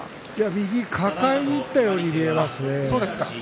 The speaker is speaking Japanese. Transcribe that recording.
右を抱えにいったように見えましたね。